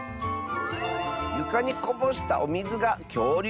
「ゆかにこぼしたおみずがきょうりゅうのかたちみたい！」。